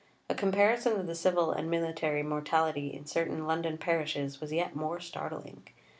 A comparison of the civil and military mortality in certain London parishes was yet more startling.